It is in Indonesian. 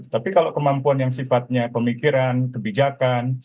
tapi kalau kemampuan yang sifatnya pemikiran kebijakan